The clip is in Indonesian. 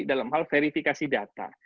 dalam hal verifikasi data